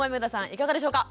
いかがでしょうか？